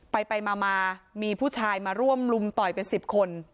ไปไปมามามีผู้ชายมาร่วมรุมต่อยเป็นสิบคน